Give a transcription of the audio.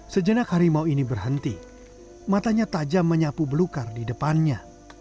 sejenak harimau ini berhenti matanya tajam menyapu belukar di depannya